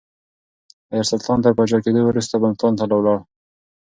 حيار سلطان تر پاچا کېدو وروسته ملتان ته ولاړ.